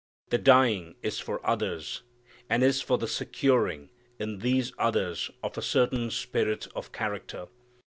The dying is for others, and is for the securing in these others of a certain spirit or character.